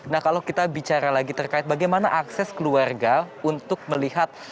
nah kalau kita bicara lagi terkait bagaimana akses keluarga untuk melihat